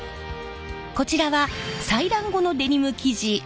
こちらは裁断後のデニム生地。